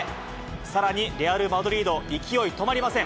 さらにレアル・マドリード、勢い止まりません。